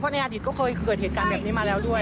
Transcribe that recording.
เพราะในอาทิตย์ก็เคยเกิดเหตุการณ์ที่แบบนี้มาแล้วด้วย